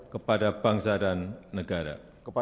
kepada bangsa dan negara